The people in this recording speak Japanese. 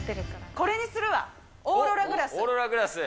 これにするわ、オーロラグラス。